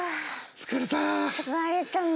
疲れたね。